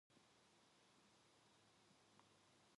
아다는 야발을 낳았으니 그는 장막에 거하여 육축 치는 자의 조상이 되었고